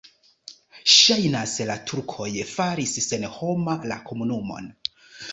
Ŝajnas, la turkoj faris senhoma la komunumon.